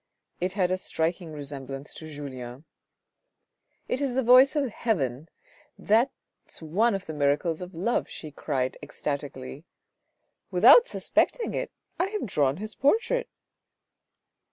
It had a striking resemblance to Julien. " It is the voice of heaven. That's one of the miracles of love," she cried ecstatically ;" Without suspecting it, I have drawn his portrait."